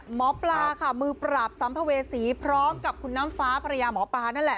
หมอปลาค่ะมือปราบสัมภเวษีพร้อมกับคุณน้ำฟ้าภรรยาหมอปลานั่นแหละ